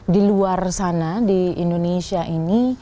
diluar sana di indonesia ini